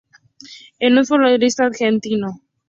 Es un futbolista Argentino.